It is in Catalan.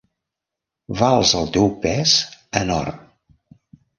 Vals el teu pes en or.